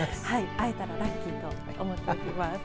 会えたらラッキーと思っておきます。